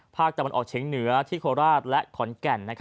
ภาคตะวันออกเฉียงเหนือที่โคราชและขอนแก่น